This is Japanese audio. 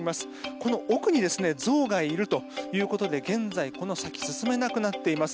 この奥にゾウがいるということで現在、この先進めなくなっています。